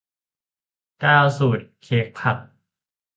เก้า สูตรเค้กผัก